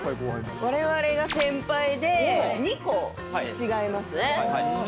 われわれが先輩で２個違いますね。